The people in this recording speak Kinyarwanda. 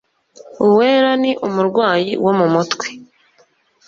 Uwera ni umurwayi wo mumutwe